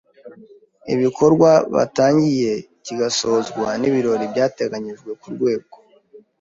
ibikorwa batangiye; kigasozwa n’ ibirori byateganyijwe ku rwego